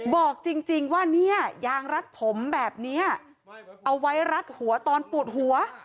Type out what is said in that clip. บอกจริงว่าเนี่ยยางรัดผมแบบนี้เอาไว้รัดหัวตอนปวดหัว